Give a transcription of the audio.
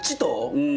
うん。